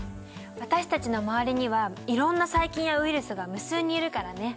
私たちの周りにはいろんな細菌やウイルスが無数にいるからね。